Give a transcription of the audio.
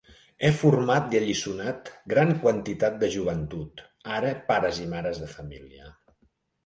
He format i alliçonat gran quantitat de joventut, ara pares i mares de família.